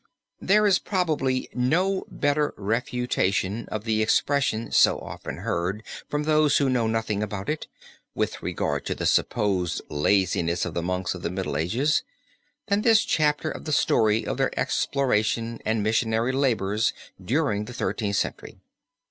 There is probably no better refutation of the expression so often heard from those who know nothing about it, with regard to the supposed laziness of the Monks of the Middle Ages, than this chapter of the story of their exploration and missionary labors during the Thirteenth Century.